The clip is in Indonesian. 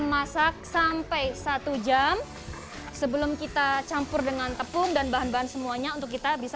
masak sampai satu jam sebelum kita campur dengan tepung dan bahan bahan semuanya untuk kita bisa